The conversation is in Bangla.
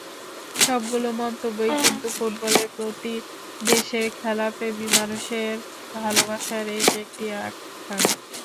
সবগুলো মন্তব্যই কিন্তু ফুটবলের প্রতি দেশের খেলাপ্রেমী মানুষের ভালোবাসার এক-একটি আখ্যান।